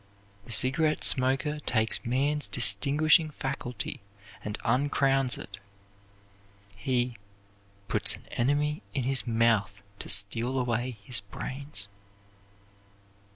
The cigarette smoker takes man's distinguishing faculty and uncrowns it. He "puts an enemy in his mouth to steal away his brains."